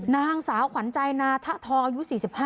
นางสาวขวัญใจนาทะทองอายุ๔๕